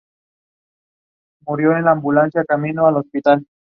La serie ofrecía dramas, thrillers y misterios.